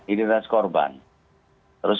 idilis korban terus